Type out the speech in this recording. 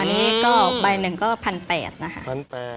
อันนี้ก็ใบหนึ่งก็๑๘๐๐นะคะ